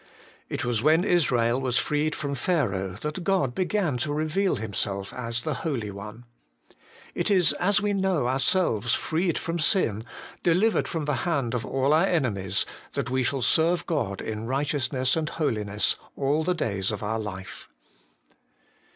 It was when Israel was freed from Pharaoh that God began to reveal Himself as the Holy One : it is as we know ourselves ' freed from sin,' delivered from the hand of all our enemies, that we shall serve God in righteousness and holiness all the days of our life.